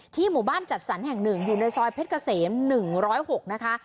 หมู่บ้านจัดสรรแห่งหนึ่งอยู่ในซอยเพชรเกษม๑๐๖นะคะ